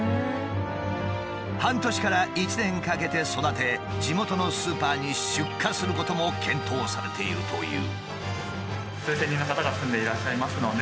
半年から一年かけて育て地元のスーパーに出荷することも検討されているという。